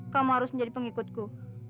kamu harus menjadi pengikutku